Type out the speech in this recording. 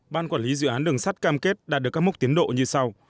ban quản lý dự án đường sắt cam kết đạt được các mốc tiến độ như sau